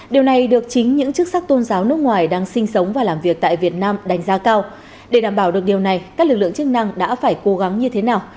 điều này được chính những chức sắc tôn giáo nước ngoài đang sinh sống và làm việc tại việt nam đánh giá cao để đảm bảo được điều này các lực lượng chức năng đã phải cố gắng như thế nào